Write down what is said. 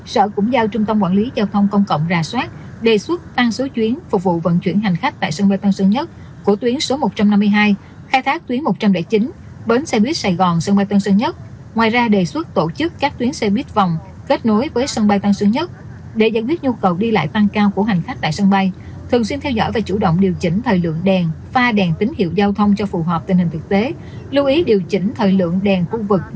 sở cũng giao trung tâm quản lý giao thông công cộng ra soát đề xuất tăng số chuyến phục vụ vận chuyển hành khách tại sân bay tân sơn nhất của tuyến số một trăm năm mươi hai khai thác tuyến một trăm linh chín bến xe buýt sài gòn sân bay tân sơn nhất ngoài ra đề xuất tổ chức các tuyến xe buýt vòng kết nối với sân bay tân sơn nhất để giải quyết nhu cầu đi lại tăng cao của hành khách tại sân bay thường xuyên theo dõi và chủ động điều chỉnh thời lượng đèn pha đèn tín hiệu giao thông cho phù hợp tình hình thực tế lưu ý điều chỉnh thời lượng đèn khu vực đ